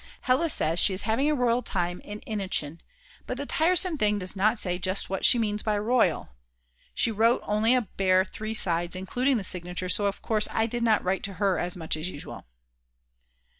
Hella says she is having a royal time in Innichen; but the tiresome thing does not say just what she means by royal; she wrote only a bare 3 sides including the signature so of course I did not write to her as much as usual.